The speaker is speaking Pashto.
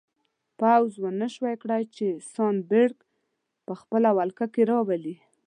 پوځ ونه شوای کړای چې سان ګبریل په خپله ولکه کې راولي.